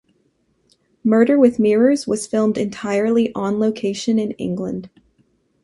"Murder with Mirrors" was filmed entirely on location in England.